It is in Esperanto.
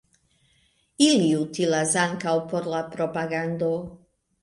Ili utilas ankaŭ por la propagando.